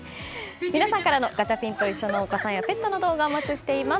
皆さんからのガチャピンといっしょ！のお子さんやペットの動画お待ちしております。